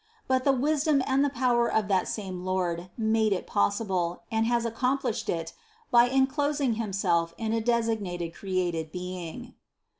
But the wisdom and the power of that same Lord made it possible and has accomplished it by enclosing Himself in a designated created being.